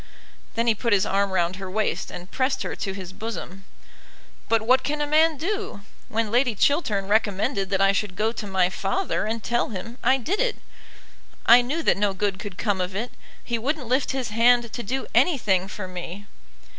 Then he put his arm round her waist and pressed her to his bosom. "But what can a man do? When Lady Chiltern recommended that I should go to my father and tell him, I did it. I knew that no good could come of it. He wouldn't lift his hand to do anything for me."